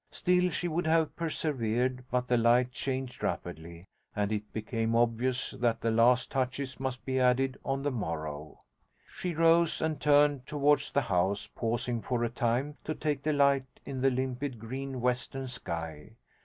Still she would have persevered, but the light changed rapidly, and it became obvious that the last touches must be added on the morrow. She rose and turned towards the house, pausing for a time to take delight in the limpid green western sky.